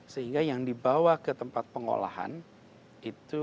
sehingga yang dibawa ke tempat pengolahan itu